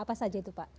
apa saja itu pak